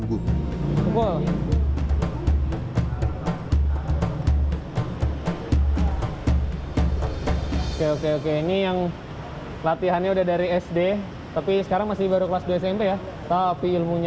oke oke ini yang latihannya udah dari sd tapi sekarang masih baru kelas dua smp ya tapi ilmunya